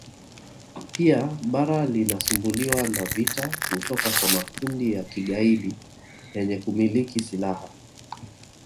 Pia bara la linasumbuliwa na vita kutoka kwa makundi ya kigaidi yenye kumiliki silaha